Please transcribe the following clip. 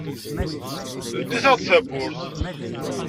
Ldit-aɣ-d tawwurt.